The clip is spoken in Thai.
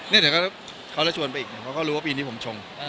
เนี่ยแต่เขาจะชวนไปอีกเนี่ยเขาก็รู้ว่าปีนี้ผมชง